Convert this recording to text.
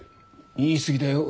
言い過ぎだよ。